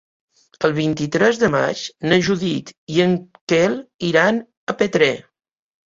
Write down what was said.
El vint-i-tres de maig na Judit i en Quel iran a Petrer.